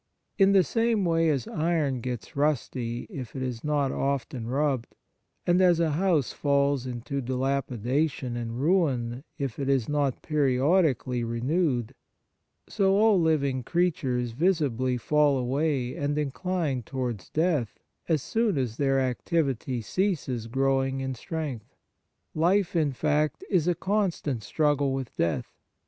In the same way as iron gets rusty if it is not often rubbed, and as a house falls into dilapidation and ruin if it is not periodically renewed, so all living creatures visibly fall away and incline towards death as soon as their activity ceases growing in strength. Life, in fact, is a constant struggle with death.